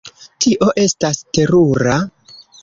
Tio estas terura!